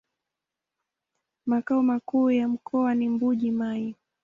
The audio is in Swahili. Makao makuu ya mkoa ni Mbuji-Mayi.